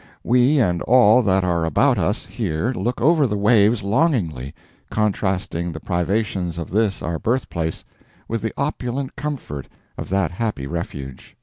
We and all that are about us here look over the waves longingly, contrasting the privations of this our birthplace with the opulent comfort of that happy refuge.